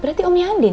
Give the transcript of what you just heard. berarti om nyandin